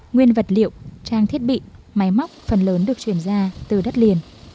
nguyên vật liệu trang thiết bị máy móc phần lớn được chuyển ra từ đất liền